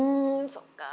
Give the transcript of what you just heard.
そっか。